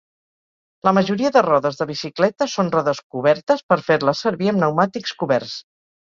La majoria de rodes de bicicleta són rodes "cobertes" per fer-les servir amb pneumàtics coberts.